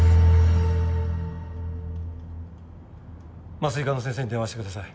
麻酔科の先生に電話してください。